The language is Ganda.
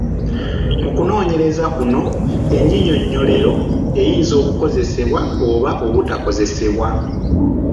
Mu kunooneyereza kuno ennyinyonnyolero eyinza okukozesebwa oba obutakozesebwa